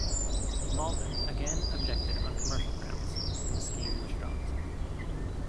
Maldon again objected on commercial grounds, and the scheme was dropped.